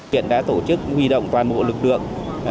huyện đã tổ chức huy động toàn bộ lực lượng